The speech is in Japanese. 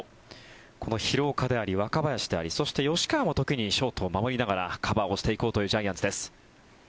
この廣岡であり若林でありそして、吉川も時にショートを守りながらカバーをしていこうというジャイアンツです。